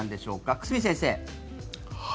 久住先生。